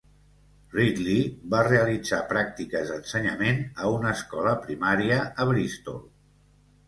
Ridley va realitzar pràctiques d'ensenyament a una escola primaria a Bristol.